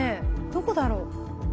どこだろう？